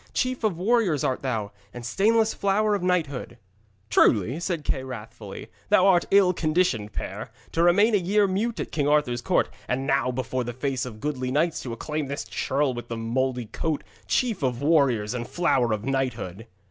Chief of warriors art thou, and stainless flower of knighthood!' 'Truly,' said Kay wrathfully, 'thou art an ill conditioned pair, to remain a year mute at King Arthur's court, and now before the face of goodly knights to acclaim this churl with the mouldy coat, chief of warriors and flower of knighthood!'